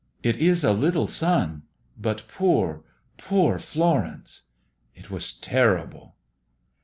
It is a little son. But poor, poor Florence. It was terrible!"